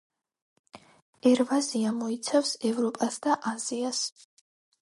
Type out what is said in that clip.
ერვაზია მოიცავს ევროპას და აზიას